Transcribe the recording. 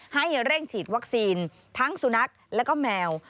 ให้เร่งฉีดวัคซีนทั้งสุนัขแล้วก็แมว